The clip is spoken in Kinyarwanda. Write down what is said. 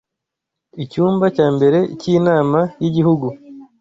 Icyumba cya mbere cy’ inama y’ igihugu